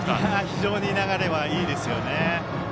非常に流れはいいですね。